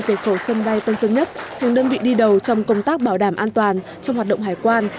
về khẩu sân bay tân dân nhất thường đơn vị đi đầu trong công tác bảo đảm an toàn trong hoạt động hải quan